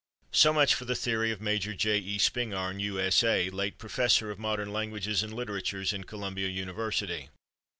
So much for the theory of Major J. E. Spingarn, U. S. A., late professor of modern languages and literatures in Columbia University.